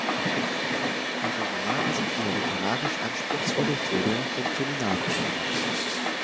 Ihre Romane sind eher literarisch anspruchsvolle Thriller denn Kriminalromane.